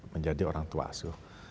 menjadi orang tua asuh